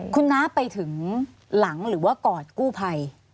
คุณน้าไปถึงหลังหรือว่ากอดกู้ภัย